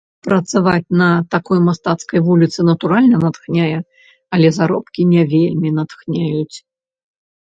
Працаваць на такой мастацкай вуліцы, натуральна, натхняе, але заробкі не вельмі натхняюць.